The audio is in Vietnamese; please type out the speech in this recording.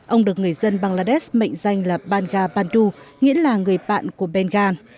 ông được người dân bangladesh mệnh danh là banga bandhu nghĩa là người bạn của bengal